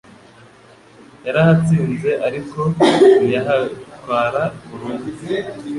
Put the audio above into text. yarahatsinze ariko ntiyahatwara burundu